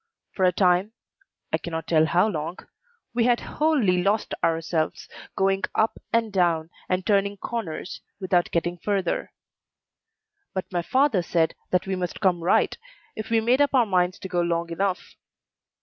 For a time I can not tell how long we had wholly lost ourselves, going up and down, and turning corners, without getting further. But my father said that we must come right, if we made up our minds to go long enough.